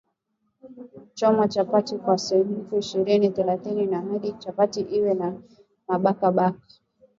Choma chapati kwa sekunde ishirini thelathini au hadi chapati iwe na mabaka baka